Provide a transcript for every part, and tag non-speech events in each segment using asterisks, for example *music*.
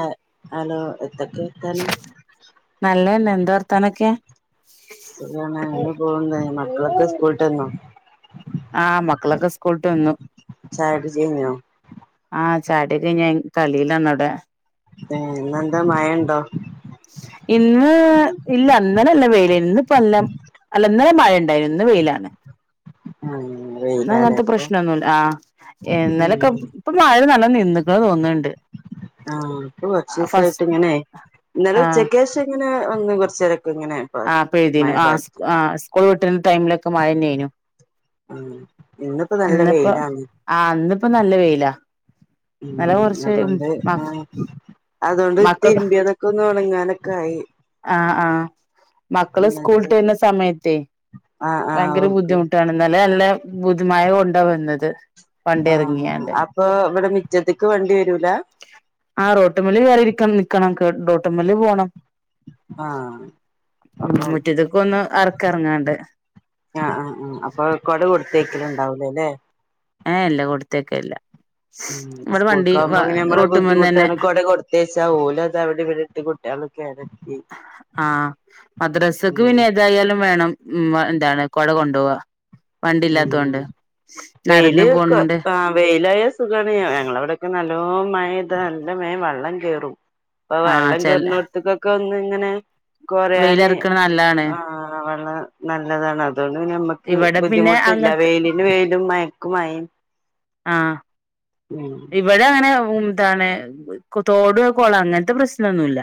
ആഹ hello നല്ലന്നെ എന്താ വർത്താനൊക്കെ സുഖാണ് അങ്ങനെ പോവുന്ന് മക്കളൊക്കെ സ്കൂളിട്ടന്നോ ആഹ് മക്കളൊക്കെ സ്കൂൾട്ട് വന്നു ചായുടിയൊക്കെ കഴിഞ്ഞോ ആഹ് ചായടിയൊക്കെഞ്ഞഞാൻ കളീലാണ് അവ്‌ടെ ന്നെന്താ മഴ ഉണ്ടോ ഇന്ന് ഇല്ല അന്നനല്ല വേ ന്ന് പല്ലം അല്ലന്നരം മഴ ഉണ്ടായിന്ന് വെയിലാണ് ആ വെയിലാല്ലേ അങ്ങനത്തെ ഇപ്പൊ പ്രശ്നമൊന്നുമ ആ ഉം എന്നലൊക്കെ ഇപ്പൊ മഴ നല്ല നിക്കാ തോന്നുന്നുണ്ട് ആഹ അപ്പൊ കുറച്ച ദിവസായിട്ട് ഇങ്ങനെ എന്നാലുംച്ചക്ക കുറച്ച് ആ പഴതീന ആ ആ കൊഴെട്ട ടൈമിലൊക്കെ മഴ നനു ഉം ഇന്നിപ്പോ നല്ല ഇന്നപ്പോ വെയിലാണ് ആ ഇപ്പൊ നല്ല വെയിലാ ഉ ഇന്നലെ കൊറച്ച് അതൊണ്ട് ആ അതുകൊണ്ട് മക്കൾ മ്പയതൊക്കെ ഒന്ന് ഉണങ്ങാനൊക്കെ ആയി ആഹ് ആഹ് മക്കള് സ്കൂളിട്ട് ഇത്തക്കെ വരുന്ന സമയത്തേ ആ ആക്ക ബുദ്ധിമ കൊണ്ട വുന്നത് ആഹ അപ്പൊ മിറ്റത്ത്ക്ക് വണ്ടി വരൂല ആ റോട്ടുമലി വറിരിക്കണം നിക്കണം ഡോട്ടമ്മല്ലല് പോണം ആഹ ഉം അപ്പൊ മുറ്റത്ത്ക്ക് ഒന്ന് ആർക്കും എറങ്ങാണ്ട് ആഹ ആ ആ അപ്പൊ കൊട കൊടുത്തേക്കലും ഉണ്ടാവൂലേ അല്ലേ ആഹ ഇല്ല കൊടുത്തൊക്ക ഇല്ല ഉ സ്കൂൾക്ക ആകുമ്പോ പിന്നെ നമ്മളെ റോട്ടുമ്മന്ന് തന്നെ ബുദ്ധിട്ടാണ് *unintelligible* കൊടുത്തേ സകല അത അവിടെ ഇവിടെട്ട് കുട്ടികളൊക്കെ ആരുന്നു ആഹ് മദ്രസക്ക് ഉം പിന്നെ ഏതായാലും വേണം ഉം എന്താണ് കൊട കൊണ്ടോവാ വണ്ടി ഉം ഇല്ലാത്തോണ്ട് നടന്ന് വെയില്കെ പോണോണ്ട് ആ വെയിലായ സുഖമാണ് ഞങ്ങളവിടെക്കെ നല്ല ല്ലോം മഴയ്താ നല്ലം വേം വെള്ളം കേറും ഇപ്പൊ ആ വെള്ളം ചെല കേർണോട്ത്ത്ക്കൊക്കൊന്ന് തെങ്ങനെ കൊറിയാന് വെയിലറക്കണ നല്ലാണ് *unintelligible* നല്ലതാണ് അത് അതു പിന്നെ നമ്മക്ക്- ഇവിടെ പിന്നെ ബുദ്ധിമുട്ടില്ല വെയിലിന് വെയിലും മയക്കും മയയും ആഹ് ഇവിടെ അങ്ങനെ- എന്താണ് തോട്‌ കൊളം അങ്ങനത്തെ പ്രശ്നമൊന്നുമില്ല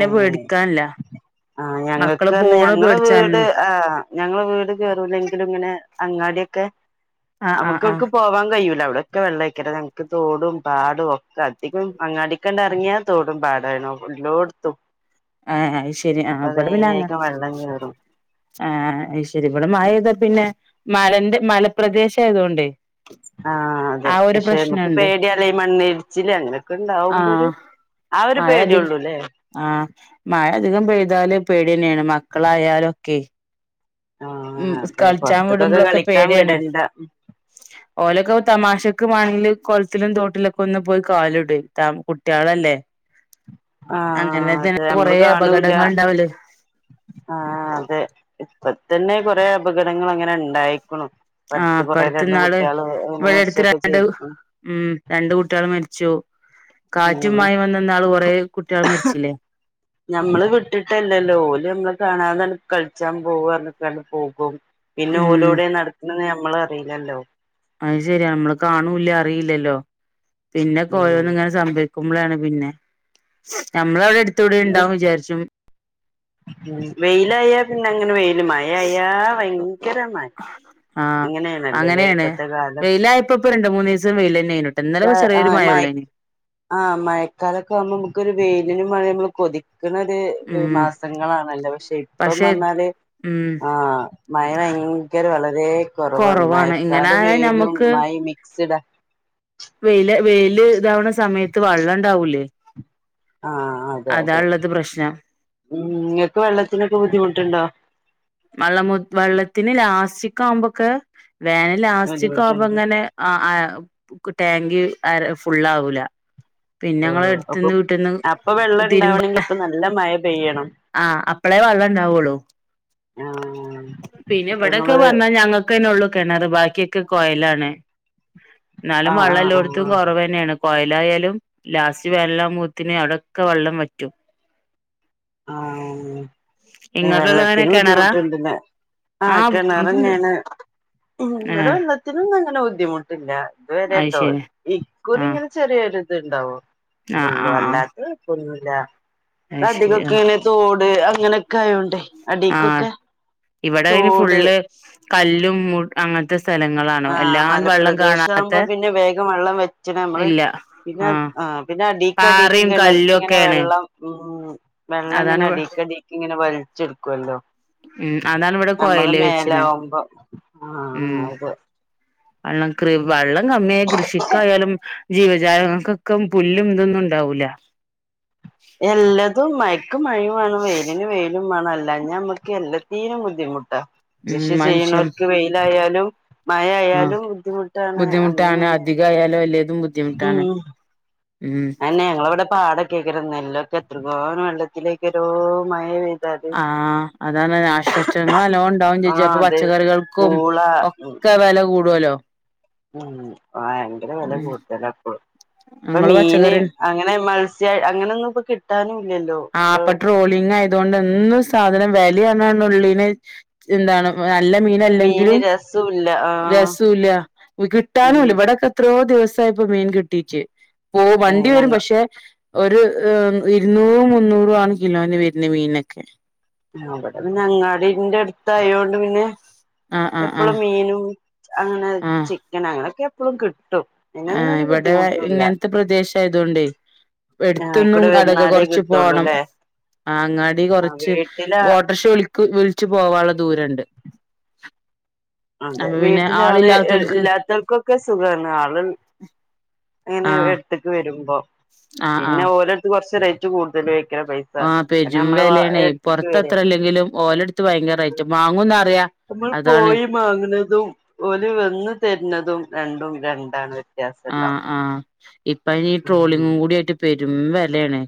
ഏ ആ മക്കള് ഞങ്ങൾക്ക് ഇന്ന് പോണ് ഞങ്ങളെ പേടിച്ചാണ് വീട് ആഹ ഞങ്ങളെ വീട് കേറുലെങ്കിലും ഇങ്ങനെ- അങ്ങാടിയൊക്ക ആഹ് ആഹ് ആഹ് നമുക്ക്ക്ക് പോവാൻ കഴിയൂല അവിടെ ഒക്കെ വെള്ളേയിക്കാരം ഞങ്ങക്ക് തോടും പാടും ഒക്കെ അധികം അങ്ങാടിക്കണ്ടറങ്ങിയാൽ തോടും പാടായാണ് ത്തും ഏഹ് അത് ശെരിയാണ് ഇവിടെ പിന്നെ അങ്ങനെ. വെള്ളം കേറും ആഹ് അതു ശെരി ഇവിടെ മഴ പെയ്താൽ പിന്നെ മ മലന്റെ മലപ്രദേശം ആയതുകൊണ്ടേ. അതെ ആഹ് ഒരു പക്ഷെ നമുക്ക് പ്രശ്നമുണ്ട്, പേടിയാല്ലേ ഈ മണ്ണിടിച്ചില് അങ്ങനൊക്കെ ഇണ്ടാവുമ്പോ ഒരു ആഹ് ആ ഒരു മഴ അധി പേടിയൊള്ളൂല്ലേ ആഹ് മഴ അധികം പെയ്താലും പേടി തന്നെയാണ് മക്കളായാലും. ക്കെ ഉം ആഹ് അതെ കളിച്ചാൻ പൊറത്ത്ക്കൊക്കെ വിടുമ്പോഴൊക്കെ കളിക്കാൻ പേടിയാണ് വിടണ്ട ഓലൊക്കെ തമാശ. നിനക്ക് വേണമെങ്കിൽ കുളത്തിലും തോട്ടിലൊക്കെ ഒന്ന് പോയി കാലിട് താൻ കുട്ടികളല്ലേ. ആഹ് അങ്ങനെ ആഹ് തന്നെ അതെ നമ്മള് കൊറേ കാണൂല്ല അപകടങ്ങൾ ഉണ്ടാവല് ആഹ് ആഹ് അതെ. ഇപ്പ തന്നെ കൊറേ അപകടങ്ങള് അങ്ങനെ ഇണ്ടായിക്ക്ണു. ആ ഇപ്പട്ത്ത് ഇപ്പ കൊറേ അട്ത്ത് രണ്ട് ഇന്നാള് കുട്ട്യാള് അങ്ങനെ ഇവിടെ അട്ത്ത് മരിച്ചൊക്കെ രണ്ട് ചെയ്ത്ക്ക്ണു ഉം രണ്ട് കുട്ടിള് മരിച്ചു കാറ്റും ഏഹ് മഴയും വന്നന്നാള് കൊറേ കുട്ടികൾ മരിച്ചില്ലേ ഞമ്മള് വിട്ട്ട്ടല്ലല്ലോ ഓല് നമ്മള് കാണാതണ് കൾച്ചാൻ പോവ്ർഞ്ഞ്ക്കാണ്ട് പോകും. പിന്നെ ഓല് ഉം ഓടെ നടക്ക്ണ്ന്ന് നമ്മ നമ്മള് അറിയില്ലല്ലോ അത് ശരിയാ നമ്മള് കാണൂല്ല അറിയില്ലല്ലോ പിന്നെ ഉം കോയന്ന് ഇങ്ങനെ സംഭവ *unintelligible* പിന്നെ നമ്മളവിടെടുത്ത് ത്തൂടെ ഉണ്ടാവന്ന് വിചാരിച്ചു ഉ വെയിലയാ പിന്നെ അങ്ങനെ വെയി ഇ മായ അയാ ഭയങ്കര മ ആഹ് അങ്ങനെയണല്ലോ അങ്ങനെയാണ് ഇപ്പത്തെ കാലം വെയിലായപ്പോ ഇപ്പ രണ്ട് മൂന്ന് ദിവസം വെയിൽ തന്നെയായിനുട്ടോ ഇന്നലെ ചെറിയൊരു മഴ ആആമഴകാല ഉള്ളേന് ആ മഴക്കാലൊക്കെ ആവുമ്പോ നമുക്കൊരു വെയിലിനും മഴ നമ്മള് കൊതി കിട്ടുന്നത് ഒരു ഉം മാസങ്ങളാണല്ല പക്ഷെ ഇപ്പം വഞ്ഞാല് ഉം ആ മയ ഭയങ്കര വളരെ കുറവാണ് കൊറവാണ് ഇങ്ങനെ മഴക്കാല ആയാ മേലും ഞമ്മക്ക് മഴ മിക്സ്ഡ വെയ്ല് ഇതാവണ സമയത്ത് വെള്ളംണ്ടാവൂലേ ആഹ അതെ അതെ പ്രശ്നം ഉ നിങ്ങക്ക് വെള്ളത്തിനൊക്കെ ബുദ്ധിമുട്ടുണ്ടോ വെള്ള വെള്ളത്തിന് ലാസ്റ്റിക്ക ആവുമ്പോൊക്കെ വേന ലാസ്റ്റക്ക് ആകുമ്പോം ബുദ്ധിമുട്ടുണ്ട് അങ്ങനെ ആ ടാങ്ക് ആ ഫുള്ള ആവല അപ്പൊ അപ്പൊ വെള്ളം ഇണ്ടാവണമെങ്കിൽ ഇപ്പൊ നല്ല മയ ആഹ് അപളേ വള്ളുണ്ടാവളു ആഹ് പിന്നെ അപ്പൊ ഇവിടെൊക്കെ നിങ്ങള് പറഞ്ഞാൽ ഞങ്ങൾക്കന്നെ ഉള്ളൂ കിണറ് ബാക്കിയക്കെ പോയലാണ് എന്നാലും ആഹ് വെള്ളം ആഹ് എല്ലാടത്തും ആഹ് കുറവ് തന്നെയാണ് കൊയലായാലും ലാസി വല്ലാമൂത്തിന് അടൊക്ക വെള്ളം വറ്റും ആ ഇങ്ങക്കൊക്കെ എങ്ങനെ വെള്ളത്തിന് കിണറാ ബുദ്ധിമുട്ടണ്ട ആ കിണറങ്ങാണ് ഏ ഇടെ വെള്ളത്തിന്ന അങ്ങനെ ബുദ്ധിമുട്ടില്ല ഇതുവരെ ട്ടോ അയ്ശരി ഇക്കൂടി ആ ഇങ്ങനെ ചെറിയൊരു അത് ഉണ്ടാവോ ആ ഉള്ളൂ ആ ആ അല്ലാത്ത അല്ല അയ്ശരി ആ ക്കെനെ തോട്. ങ്ങനെ കായൊണ്ടെ ആ അടീക്കൊക്കെ ഇവിടെ അയിന് തോട് ഫുള്ള് കല്ലും മു അങ്ങൻത്തെ ആഹ് മലപ്രദേശ ആകുമ്പോ പിന്നെ വേഗം വെള്ളം വെച്ചണ് നമ്മള് ഇല്ല പിന്നെ ആഹ് ആ പിന്നെ അടീക്ക്ടിക്ക് പാറയും കിണർക്ക് കല്ലും ഇങ്ങനെ ഒക്കെയാണ് വെള്ളം ഉം. വെള്ളം ഇങ്ങനെ അതാണ് അടക്കടിക്ക് ഇങ്ങനെ വൽച്ചെടുക്കല്ലോ? മ് അതാണ് ഇവിടെ കൊയല് വെച്ചിന് മേലാവുമ്പോ ആ ഉം അതെ വള്ളം കൃ വള്ളം കമ്മിയായ കൃഷിക്കായാലും ജീവജാലങ്ങൾക്കൊക്കെ പുല്ലും ഇതൊന്നും ഇണ്ടാവൂല. എല്ലെതും മയെക്ക് മഴയും വേണം വെയിലിന് വെയിലും. മാണല്ലേ അല്ലാഞ്ഞ നമ്മക്ക് എല്ലെ ത്തീനും ബുദ്ധിമുട്ടാ. ഉം കൃഷി മനുഷ്യൻ ചെയ്യുന്നോര്ക്ക് വെയിലായാലും മഴ ആഹ് ആയാലും ബുദ്ധിമുട്ടാണ്. ബുദ്ധിമുട്ടാണ് അങ്ങനെണ്. അധികായാലും എല്ലേതും മ് ബുദ്ധിമുട്ടാണ് ഉം അയെന്നെ ഞങ്ങളിവിടെ പാടയ്ക്കെക്കി ഇന്റെ നെല്ലൊക്കെ എത്രങ്ങാനും വെള്ളത്തിലേക്കെരോ മഴപെയ്‌ ആ അതാണ് നാശനഷ്ടങ്ങള് എല്ലാം ഉണ്ടാവും ചേച്ചി ആഹ് അപ്പം അതെ പച്ചക്കറികൾക്കും പൂള ഉം ഒക്കെ വില കൂട്- ടുമല്ലോ ഉം ഭയങ്കര വില കൂടുതല അപ്പൊ ഇപ്പൊ നിങ്ങള് മീന് പച്ചക്കറി അങ്ങനെ മത്സ്യ അങ്ങനൊന്നും ഇപ്പൊ കിട്ടാനും ഇല്ലല്ലോ ആ ഇപ്പൊ ട്രോളിംഗ് ആയതുകൊണ്ട് എന്നും സാധനം വെ ഡെയ്ലി വന്നാണ് ഉള്ളിനെ എന്താണ് നല്ല മീന് മീനല്ലെങ്കിലും രസൂല്ല ആഹ് രസവുല്ല ഉം കിട്ടാനുമില്ല ഇവിടൊക്കെ എത്രയോ ദിവസ സായിപ്പോ മീൻ കിട്ടീച്ച് ഓ ഏഹ് വണ്ടി വരും ഞങ്ങ പക്ഷെ ഒരു ഇരുന്നൂറ് മു മുന്നൂറും ആണ് കിലോന് വരുന്നെ മീനൊക്കെ അവിടെ പിന്നെ അങ്ങാടിന്റെ അടുത്തായൊണ്ട് പിന്നെ ആ ആ ആ എപ്പോളും മീനും അങ്ങനെ ആ ചിക്കൻ അങ്ങനൊക്കെ എപ്പോളും കിട്ട് ആ ഇവിടെ ഇങ്ങനത്തെ പ്രദേശയതുകൊണ്ടേ ആഹ് എടുത്തൊന്നും അയിക്കൂടെ വന്നാലേ കൊറച്ച് പോണം കിട്ടുള്ളൂല്ലേ അങ്ങാടി ആഹ് കൊറച്ച് വീട്ടിലാ ഓട്ടോർഷ വിളിക്ക് വിളിച്ച് പോവാനുള്ള ദൂരണ്ട് അതെ അപ്പൊ പിന്നെ വീട്ടില ആള് ആളില്ലാത്തോൽക്ക് ഇല്ലാത്തവർക്കൊക്കെ സുഖാണ് ആള് ഉം അങ്ങനെ ആ എടുത്തേക്ക് വരുമ്പോ ആ പിന്നെ ഓരട്ത്ത് കുറച്ച് റേറ്റ് കൂടുതൽ ആയി ആ പെരും വേലയണേ പൊറത്ത് അത്ര വരല്ലോ അല്ലെങ്കിലും ഓലെടുത്ത് ഭയങ്കര റേറ്റാ വാങ്ങുംന്ന് അറിയാം അതാണ് വാങ്ങുന്നതും ഓല് വന്ന് തരുന്നതും രണ്ടും രണ്ടാണ് വ്യത്യാസം ആ ഉണ്ടാവും ആ ഇപ്പഴി ഉം ട്രോളിങ്ങും കൂടി ആയിട്ട് പേ രും വേലാണ്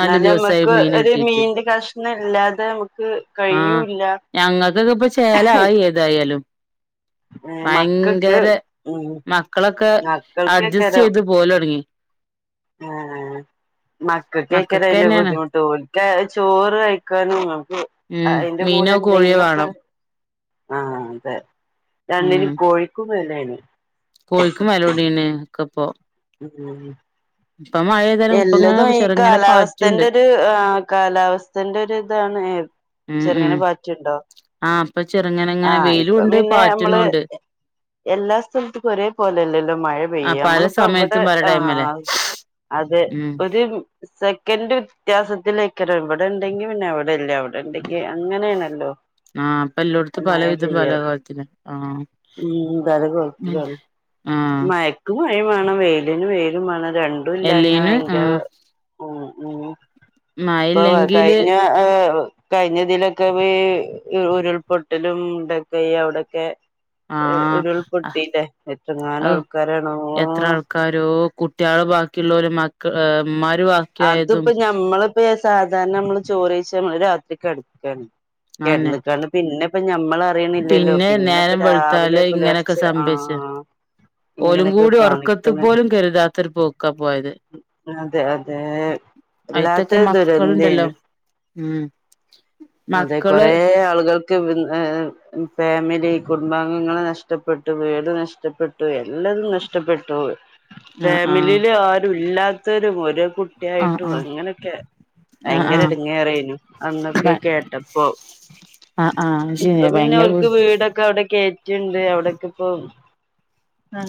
എന്നാല് നമ്മക്ക് മീൻ ഒരു കിട്ടീട്ട് മീന്റെ കഷ്ണം ഇല്ലാതെ നമുക്ക് ആഹ് കഴിയൂല്ല ഞങ്ങക്കൊക്കെ ഇപ്പ ചേലായി ഏതായാലും മക്കക്ക് ഭയങ്കര മക്കളൊക്കെ അഡ്ജസ്റ്റ് ചെയ്ത് പോലോ ടങ്ങി ആ മക്കൾക്കഴക്കാന അതിന്റെ മക്കക്കെന്നേണ് ബുദ്ധിമുട്ട് ഒഓക്ക ചോറ് കഴിക്കാനും നിങ്ങൾക്ക് ഉം അതിന്റെ കൂടെ മീനോ കോഴിയോ എന്തെങ്കിലുംൊക്കെ വേണം ആഹ ആഹ്ത ഉം രണ്ടിനന് കോഴിക്കും ല്ലാണ് കോഴിക്കും വെലോടീണ്. ക്കപ്പോ ഉം. ഏതായാലും ഇപ്പ എല്ലതും ഇങ്ങനെ ഈ ചെറുങ്ങനെ കാലാവസ്ഥൻ്റ പാറ്റ്ണ്ട് ഒരു ആ കാലാവസ്ഥൻ്റ ഒരു ഇതാണേ. ഉം ഉം ചെറുങ്ങനെ പാറ്റുണ്ടോ? ആ ഇപ്പൊ ചെറുങ്ങനങ്ങനെ ആഹ് ഇപ്പൊ വെയിലുണ്ട് പിന്നെ നമ്മള് പാറ്റനുണ്ട് എ എല്ലാ സ്ഥലത്തക്കും ഒരേ പോലെല്ലല്ലോ മഴ ആ പെയ്യ പല നമ്മളിപ്പോ ഇവിടെ സമയത്തും പല ടൈമല്ലേ ആഹ്. അതെ ഉം ഒരു *inaudible* സെക്കൻറ് വ്യത്യാസത്തി ഇതിലേക്ക ര് ഇവിടെ ഉണ്ടെങ്കി പിന്നെ എവിടെയില്ല അവിടെ ഉണ്ടെ ഏ അങ്ങനെയണല്ലോ ആ അപ്പൊ എല്ലോടത്തും മയ പലവിധം പെയ്യ പല കോലത്തില് ആ *unintelligible* ആ മയക്ക് *unintelligible* മഴയും വാണം വെയിലിന് വെയിലും വാണം ര എല്ലിന് ആ ഉം ഇപ്പവാ മഴല്ലെങ്കില് കഴിഞ്ഞ ഏഹ്‌ കഴിഞ്ഞതിലൊക്കെ വേ ഈ ഉരുൾപൊട്ടലും മുണ്ടക്കൈ അവ്ടൊക്കെ ആഹ് ആഹ് എത്രങ്ങാനും അവു ആൾക്കാരാണോ എത്ര ആൾക്കാരോ കുട്ടിയാള് ബാ ക്കിള്ളോരും മക്കള് ഏഹ് ഇമ്മാ അത്പ്പോ ഞമ്മള്പ്പോയാച് സാധാരണ നമ്മള് ചോറ്ഴ്ച്ച നമ്മള് രാത്രി കിടക്കാണ് ആന്നെ കിടന്നക്കാണ് പിന്നെ ഇപ്പ ഞമ്മൾ അറിയണില്ലല്ലോ പിന്നെ പിന്നെപ്പൊ നേരം രാവിലെ വെളുത്താല് ഇങ്ങനെയൊക്കെ പുലർച്ചെ ആ സംഭവിച്ച് ഓലും ഇങ്ങനെയൊക്കെ കൂടി ഉറക്കത്ത് കാണിക്കണ് പോലും കരുതാത്തൊരു പോക്കാ പോയത് അതെ ഏ അയിത്തൊക്കെ വല്ലാത്തൊരു മക്കളുണ്ടല്ലോ ദുരന്തായിരുന്നു ഉം അതെ മക്കള് കൊറേ ആളുകൾക്ക് ഫാമിലി കുടുംബാംഗങ്ങൾ നഷ്ടപ്പെട്ടു വീട് നഷ്ടപ്പെട്ടു എല്ലരും നഷ്ടപ്പെട്ടു ആ ആ ഫാമിലിയില് ആരും ല്ല അത്തരും ഒരു ആ കുട്ടിയായിട്ടും ആ അങ്ങനെയൊക്കെ ആഹ് ഭയങ്കര ആഹ് ഇടുങ്ങേറനു അന്നൊക്കെ ബ കേട്ടപ്പോ ആഹ് ആഹ് ഇപ്പൊ ശരിയാ പിന്നെ ഭയങ്കര അവക്ക് ബിസ് വീടൊക്കെ അവിടെ കേറ്റുണ്ട് അവിടൊക്കെ ഇപ്പോ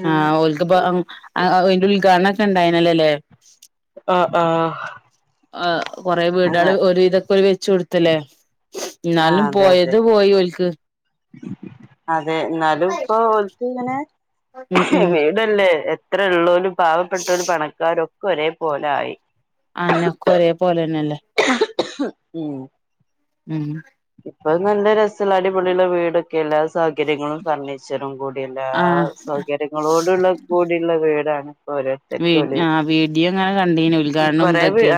ആ ഓല്ക്ക് ഇപ്പൊ അതിന്റെ ഉൽഘാടനം ഉണ്ടായിനിയാല്ലേലെ ആഹ ആഹ ആ് കുറെേ വീടുകള് ഒരു വിതൊക്കെ ഓല് ച്ച കൊടുത്തല്ലേ ആഹ് എന്നാലും അതെ അതെ പോയത് പോയി ഓല്ക്ക് അതെ എന്നാലും ഇപ്പൊ ഓലക്കിങ്ങനെ ഉം ഇങ്ങനെ ഉം വീടല്ലേ ഇത്ര ഉള്ളോലും പാവപ്പെട്ട ഒരു പണക്കാരൊക്കെ കൊരേ പോലായി ആന്നക്ക ഒരേ പോലെന്നല്ലേ ഉം ഉം ഇപ്പൊ നല്ല രസലാടിപൊളിയുള്ള വീടൊക്കെല്ല സൗകര്യങ്ങളും ഫർണിച്ചറും കൂടി എല്ലാ ആഹ് സൗകര്യങ്ങളോടുള്ള കൂടിയുള്ള വീടാണ് ഇപ്പൊ വ ഓരോരുത്തർക്കും ഓല് ആ വീഡിയോ അങ്ങനെ കണ്ടീന ഉദ്ഘാടനം ഇതൊക്കെ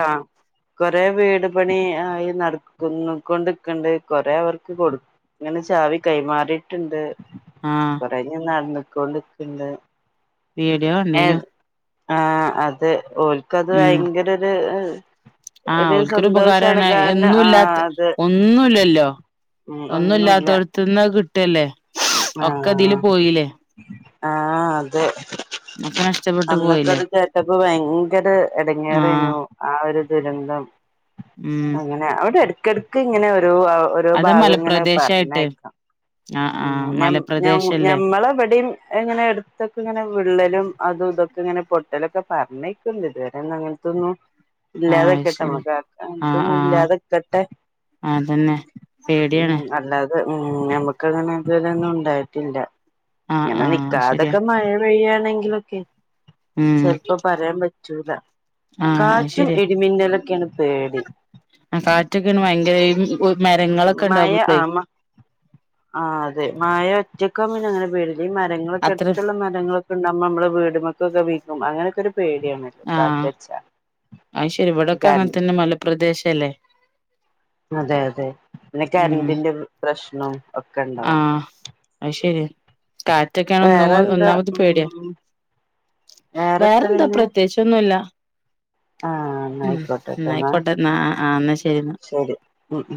കൊറെേ വീട് പണി ആയി നടക്കുന്ന കൊണ്ട് ണ്ട് കൊറ അവർക്ക് കൊടു ഇങ്ങനെ ചാവി കൈമാറിയിട്ടുണ്ട് ആഹ് കൊറ നടന്ന കൊണ്ട്ക്കണ്ട് വീഡിയോ കണ്ടീനു ആ അതെ ഓൽക്ക്ത് ഉം ഭയങ്കര ഒരു ഉ ആഹ് അവക്കൊരു ഉപകാരമാണ് ആ എന്നുംല്ലാത്ത അത് ഒന്നുമില്ലല്ലോ ഉം ഒന്നുല്ല ഒന്നുംല്ലാത്തടുത്തന്ന് കിട്ടല്ലേ ഒക്കെ അതില് പോയില്ലേ ആഹ അതെ ഒക്കെ നഷ്ടപ്പെട്ടു പോയില്ലേ അന്നക്കത് ചേട്ടപ്പ ഭയങ്കര ആഹ് ഇടങ്ങേറനു ആ ഒരു ദുരന്തം ഉം അങ്ങനെ അവിടെ അടു- കടുക്ക് ഇങ്ങനെ- ോ അതാ ഭാഗം ഇങ്ങനെ മലപ്രദേശായിട്ട് പറയക്കാം ആഹ് ആഹ് മലപ്രദേശല്ലേ ഞമ്മളെവിടെയും ഇങ്ങനെ എടുത്തക്കെ ഇങ്ങനെ വിള്ളലും അതും ഇതൊക്കെ- ഇങ്ങനെ പൊട്ടലൊക്കെ പറഞ്ഞേക്കുന്നുണ്ട് ഇതുവരെന്ന അങ്ങനത്തൊന്നുന്നു ആഹ് ഇല്ലാതെ അത് ശരി കേട്ടമക്കക്ക- ആഹ് ആഹ് ഇല്ലാതക്കട്ടെ അതന്നെ ഉ പേടിയാണ് -അല്ലാതെ മ്മ്- നമുക്ക്ങ്ങനെ ഇതുലൊന്നും ണ്ടായിട്ടില്ല ആഹ് ഇങ്ങനെ ആഹ് അത് ശരിയാ നിക്കാതൊക്കെ മഴ പെയ്യാണെങ്കിലൊക്കെ ഉം ചെലപ്പോ പറിയപറ്റൂല ആഹ് അത് കാറ്റും ശരിയാ ഇടിമിന്നലൊക്കെയാണ് പേടി ആഹ് കാറ്റൊക്കേണ് ഭയങ്കരെയിം ഉം മഴ ആ മ ആ അതെ മഴ ഒറ്റക്കാവുമ്പോ പിന്നെ അങ്ങനെ പേടില്ല ഈ മരങ്ങളൊക്കെ അത്ര എട്ത്തുള്ള മരങ്ങളൊക്കെ ഉണ്ടാവുമ്പോ നമ്മള് വീട്മ്മ കൊക്കെ വികും അങ്ങനൊക്കെ ഒരു പേടിയാണല്ലോ ആഹ് കാറ്റടിച്ചാ അയ്ശരി വിടൊക്കെ കാരണം അങ്ങനത്തന്നെ മലപ്രദേശല്ലേ അതെ അതെ ന്നെ ഉം കര്ന്റിന്റെ പ്രശ്നം ഒക്കെണ്ടാവും ആഹ് അത് ശരിയാ കാറ്റൊക്കെയാണ് ഒന്നോ ഒന്നാമത് പേടിയാ ഉം വേറെത്ത വേറെന്താ പിന്നെ പ്രത്യേകിച്ചൊന്നുല്ല ആ ന്നാ ഉംഹ് ആയിക്കോട്ടെട്ടോ ന്നാ ഇന്നായ്ക്കോട്ടന്ന ആഹ് ആഹ് ന്നാ ശരിന്നാ ശരി ഉം ഉം